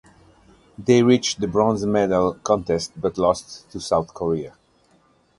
They reached the bronze medal contest but lost to South Korea.